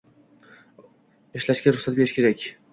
Ishlashga ruxsat berish kerak.